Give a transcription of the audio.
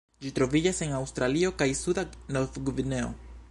Ĝi troviĝas en Aŭstralio kaj suda Novgvineo.